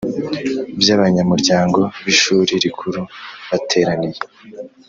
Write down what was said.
by abanyamuryango b ishuri rikuru bateraniye